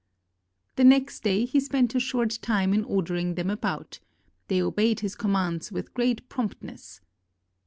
The next day he spent a short time in ordering them about; they obeyed his commands with great prompt ness.